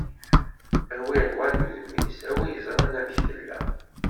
A w'iṛwan udem-is, a w'iẓran amek tella!